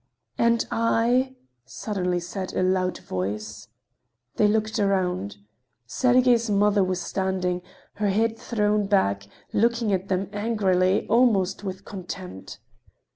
"And I?" suddenly said a loud voice. They looked around. Sergey's mother was standing, her head thrown back, looking at them angrily, almost with contempt.